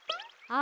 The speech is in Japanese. あ！